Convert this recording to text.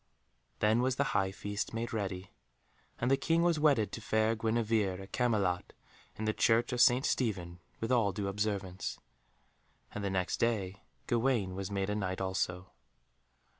Then was the high feast made ready, and the King was wedded to fair Guenevere at Camelot in the Church of St. Stephen with all due observance. And the next day Gawaine was made a Knight also.